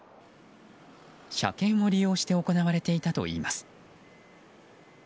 車検を利用して行われていたといいます。